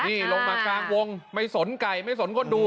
นี่ลงมากลางวงไม่สนไก่ไม่สนคนดู